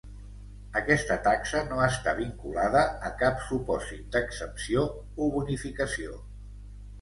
Aquesta taxa no està vinculada a cap supòsit d'exempció o bonificació.